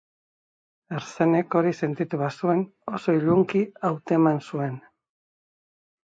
Herzenek hori sentitu bazuen, oso ilunki hauteman zuen.